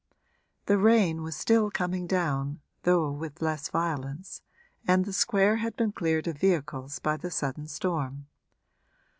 The rain was still coming down, though with less violence, and the square had been cleared of vehicles by the sudden storm.